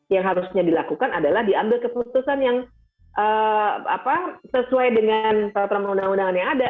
yang harusnya dilakukan adalah diambil keputusan yang sesuai dengan peraturan undang undangan yang ada